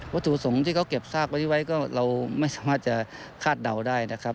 ถุสงฆ์ที่เขาเก็บซากไว้ก็เราไม่สามารถจะคาดเดาได้นะครับ